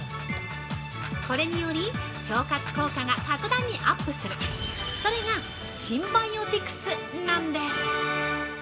これにより、腸活効果が格段にアップする、それが、シンバイオティクスなんです。